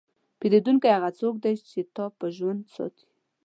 پیرودونکی هغه څوک دی چې تا په ژوند ساتي.